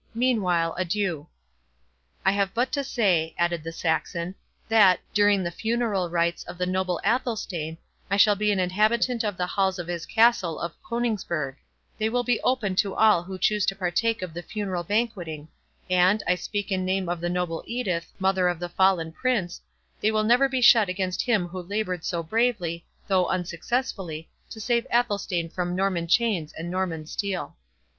Meanwhile, adieu." "I have but to say," added the Saxon, "that, during the funeral rites of the noble Athelstane, I shall be an inhabitant of the halls of his castle of Coningsburgh—They will be open to all who choose to partake of the funeral banqueting; and, I speak in name of the noble Edith, mother of the fallen prince, they will never be shut against him who laboured so bravely, though unsuccessfully, to save Athelstane from Norman chains and Norman steel."